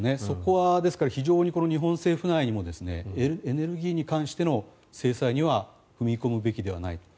そこは、ですから非常に日本政府内でもエネルギーに関しての制裁には踏み込むべきではない。